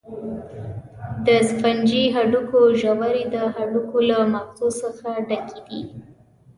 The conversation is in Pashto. د سفنجي هډوکو ژورې د هډوکو له مغزو څخه ډکې دي.